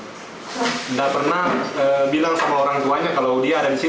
tidak pernah bilang sama orang tuanya kalau dia ada di sini